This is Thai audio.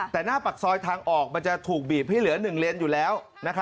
แต่หน้าปากซอยทางออกมันจะถูกบีบให้เหลือ๑เลนอยู่แล้ว